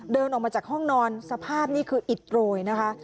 เดินออกมาจากห้องนอนสภาพนี่คืออิดโรยนะคะ